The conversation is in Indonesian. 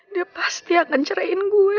dia pasti akan cerahin gue